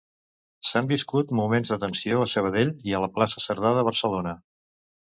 S'han viscut moments de tensió a Sabadell i a la plaça Cerdà de Barcelona.